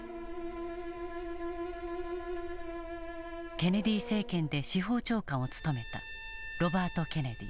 ケネディ政権で司法長官を務めたロバート・ケネディ。